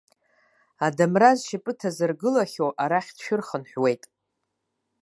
Адамра зшьапы ҭазыргылахьоу арахь дшәырхынҳәуеит.